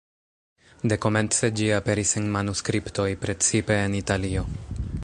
Dekomence ĝi aperis en manuskriptoj, precipe en Italio.